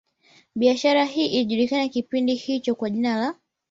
Biashara hii ilijulikana kipindi hicho kwa jina la